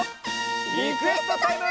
リクエストタイム！